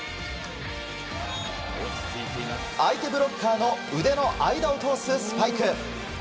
相手ブロッカーの腕の間を通すスパイク。